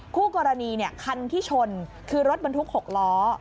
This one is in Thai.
คู่กรณีคันที่ชนคือรถบรรทุก๖ล้อ